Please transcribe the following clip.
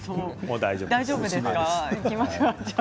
大丈夫ですか？